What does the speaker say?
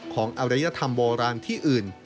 อรยธรรมโบราณที่อื่น